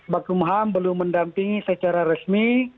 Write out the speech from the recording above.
bakum ham belum mendampingi secara resmi